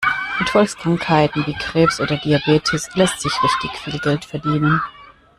Mit Volkskrankheiten wie Krebs oder Diabetes lässt sich richtig viel Geld verdienen.